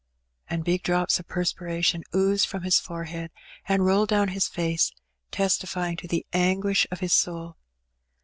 ^' And big drops of perspiration oozed from his forehead and rolled down his face, testifying to the angaish of his soul.